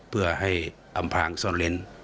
เพื่อให้อำพางซ่อนเล้น